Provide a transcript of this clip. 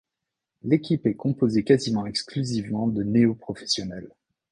L'équipe est composée quasiment exclusivement de néo-professionnelles.